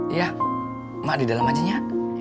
iya mak di dalam hatinya